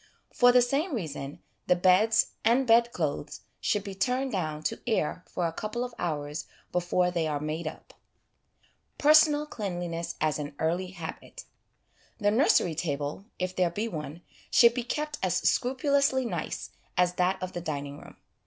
For the same reason, the beds and bedclothes should be turned down to air for a couple of hours before they are made up. 'HABIT IS TEN NATURES* 127 Personal Cleanliness as an Early Habit. The nursery table, if there be one, should be kept as scrupulously nice as that of the dining room.